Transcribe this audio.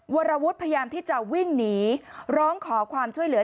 วรวุฒิพยายามที่จะวิ่งหนีร้องขอความช่วยเหลือ